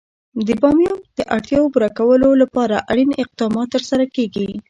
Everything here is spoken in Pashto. د بامیان د اړتیاوو پوره کولو لپاره اړین اقدامات ترسره کېږي.